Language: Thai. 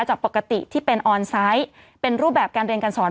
จากปกติที่เป็นออนไซต์เป็นรูปแบบการเรียนการสอน